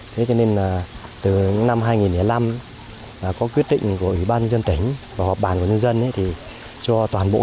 thế cho nên từ năm hai nghìn năm có quyết định của ủy ban dân tỉnh và hợp bàn của nhân dân cho toàn bộ